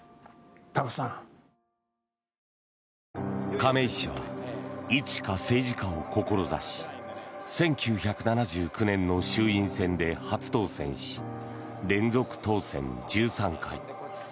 亀井氏はいつしか政治家を志し１９７９年の衆院選で初当選し連続当選１３回。